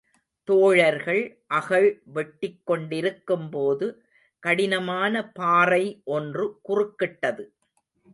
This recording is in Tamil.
தோழர்கள் அகழ் வெட்டிக் கொண்டிருக்கும் போது கடினமான பாறை ஒன்று குறுக்கிட்டது.